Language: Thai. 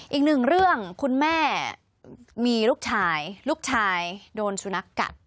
อีกหนึ่งเรื่องคุณแม่มีลูกชายลูกชายโดนสุนัขกัด